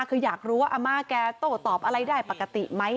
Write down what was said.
คืออยากรู้ว่าอาม่าแกโต้ตอบอะไรได้ปกติไหม